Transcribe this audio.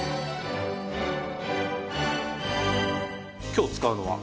今日使うのは？